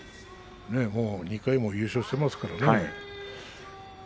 もう２回も優勝していますからね。